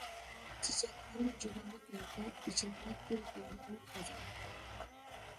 چېچەكلىرىم جۇدالىق يولدا، ئېچىلماي گۈل بولدىغۇ خازان.